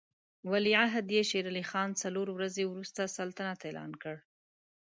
ولیعهد یې شېر علي خان څلور ورځې وروسته سلطنت اعلان کړ.